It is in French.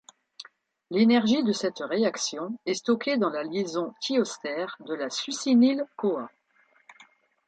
L'énergie de cette réaction est stockée dans la liaison thioester de la succinyl-CoA.